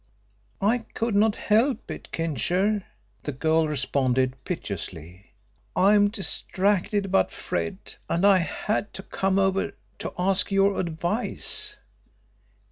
"I could not help it, Kincher," the girl responded piteously. "I'm distracted about Fred, and I had to come over to ask your advice."